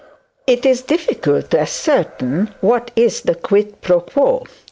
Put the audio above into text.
It is difficult to ascertain what is the quid pro quo.